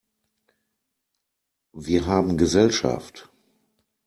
Wir haben Gesellschaft!